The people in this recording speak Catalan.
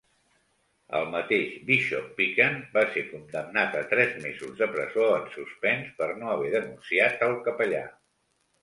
El mateix Bishop Pican va ser condemnat a tres mesos de presó en suspens per no haver denunciat el capellà.